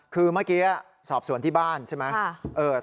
คือเมื่อกี้สอบสวนที่บ้านใช่ไหม